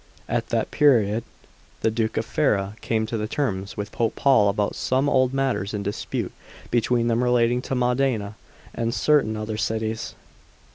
VI AT that period the Duke of Ferrara came to terms with Pope Paul about some old matters in dispute between them relating to Modena and certain other cities.